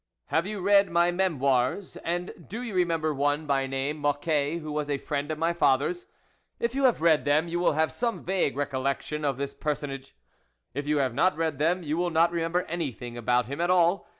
Have you read my Mtmoires, and do you remember one, by name Mocquet, who was a friend of my father's ? If you have read them, you will have some vague recollection of this person age. If you have not read them, you will not remember anything about him at all.